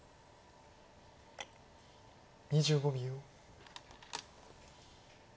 ２５秒。